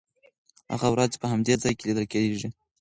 هغه هره ورځ په همدې ځای کې لیدل کېږي.